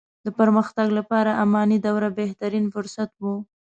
د پرمختګ لپاره اماني دوره بهترين فرصت وو.